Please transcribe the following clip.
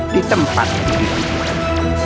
di tempat yang ditemukan